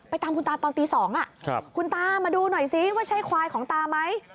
ตามคุณตาตอนตี๒คุณตามาดูหน่อยซิว่าใช่ควายของตาไหม